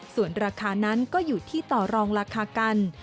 ส่วนราคานั้นก็อยู่ที่ต่อรองราคากัน